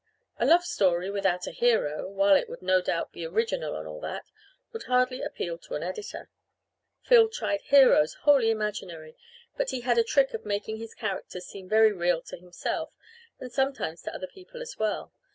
A love story without a hero, while it would no doubt be original and all that, would hardly appeal to an editor. Phil tried heroes wholly imaginary, but he had a trick of making his characters seem very real to himself and sometimes to other people as well.